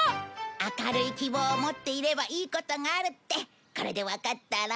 明るい希望を持っていればいいことがあるってこれでわかったろ？